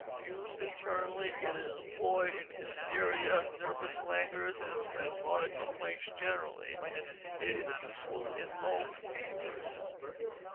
Used internally, it is employed in hysteria, nervous languors, and spasmodic complaints generally. It is useful in low fevers.